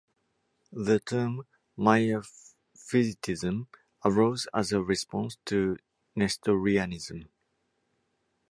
The term "miaphysitism" arose as a response to Nestorianism.